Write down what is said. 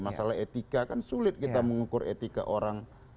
masalah etika kan sulit kita mengukur etika orang